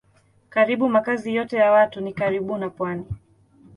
Karibu makazi yote ya watu ni karibu na pwani.